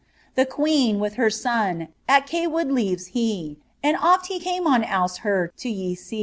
The queen, with her son, At Cawood leaves he, And oft he came on Ouse Her to y aee."